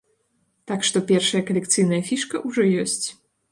Так што першая калекцыйная фішка ўжо ёсць.